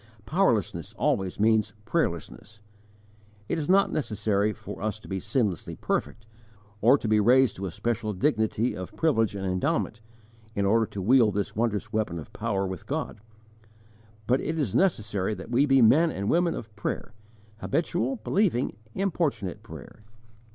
Powerlessness always means prayerlessness. It is not necessary for us to be sinlessly perfect, or to be raised to a special dignity of privilege and endowment, in order to wield this wondrous weapon of power with God; but it is necessary that we be men and women of prayer habitual, believing, importunate prayer.